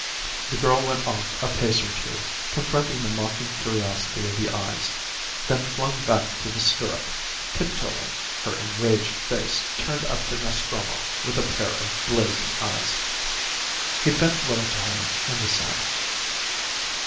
The girl went off a pace or two, confronting the mocking curiosity of the eyes, then flung back to the stirrup, tiptoeing, her enraged face turned up to Nostromo with a pair of blazing eyes. He bent low to her in the saddle.